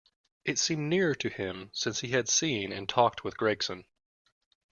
It seemed nearer to him since he had seen and talked with Gregson.